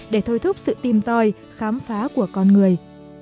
để thôi thúc sự tìm tòi khám phá của con người